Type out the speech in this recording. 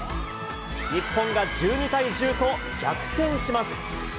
日本が１２対１０と逆転します。